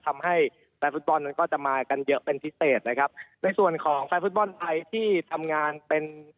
ทำให้แฟนฟุตบอลนั้นก็จะมากันเยอะเป็นพิเศษนะครับในส่วนของแฟนฟุตบอลไทยที่ทำงานเป็น